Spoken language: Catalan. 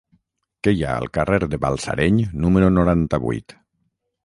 Què hi ha al carrer de Balsareny número noranta-vuit?